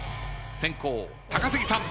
先攻高杉さん。